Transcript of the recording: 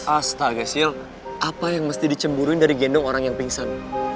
astagasil apa yang mesti dicemburuin dari gendong orang yang pingsan